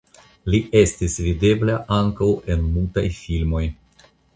Li estis videbla ankaŭ en mutaj filmoj.